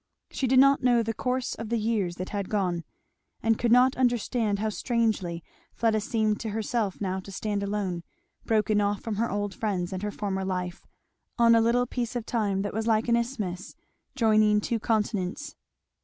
She did not know the course of the years that had gone, and could not understand how strangely Fleda seemed to herself now to stand alone, broken off from her old friends and her former life, on a little piece of time that was like an isthmus joining two continents.